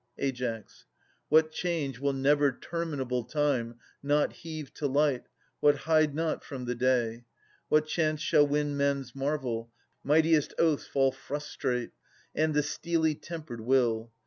Ai. What change will never terminable Time Not heave to light, what hide not from the day ? What chance shall win men's marvel? Mightiest oaths Fall frustrate, and the steely tempered will.